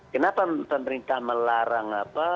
kenapa pemerintah melarang apa